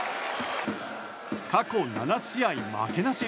過去７試合負けなし。